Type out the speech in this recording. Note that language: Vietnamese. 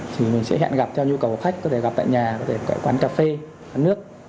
thì mình sẽ hẹn gặp theo nhu cầu của khách có thể gặp tại nhà có thể tại quán cà phê quán nước